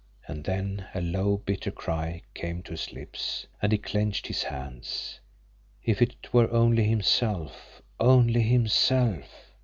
And then a low, bitter cry came to his lips, and he clenched his hands. If it were only himself only himself!